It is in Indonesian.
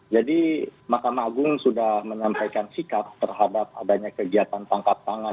jadi mahkamah agung sudah menyampaikan sikap terhadap adanya kegiatan tangkap tangan